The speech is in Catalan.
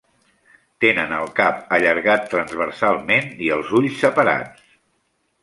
Tenen el cap allargat transversalment i els ulls separats.